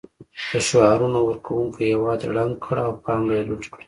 د شعارونو ورکونکو هېواد ړنګ کړ او پانګه یې لوټ کړه